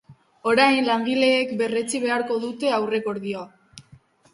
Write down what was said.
Orain, langileek berretsi beharko dute aurrekordioa.